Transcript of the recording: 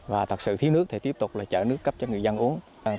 và thật sự thiếu nước thì tiếp tục là chở nước cấp cho người dân uống